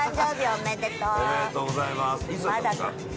おめでとうございます。